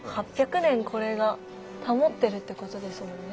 ８００年これが保ってるってことですもんね。